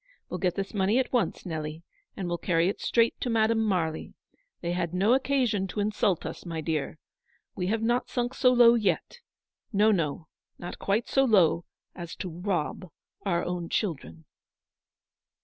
We'll get this money at once, Nelly, and well carry it straight to Madame Marly. They had no occasion to insult us, my dear. We have not sunk so low, yet. No, no, not quite so low as to rob our own children."